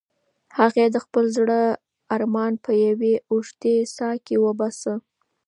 هغې د خپل زړه ارمان په یوې اوږدې ساه کې وباسه.